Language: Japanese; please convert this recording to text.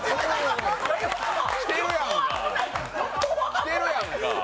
きてるやんか！